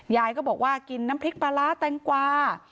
ยายก็บอกว่ากินน้ำพริกปลาร้าแตงกวา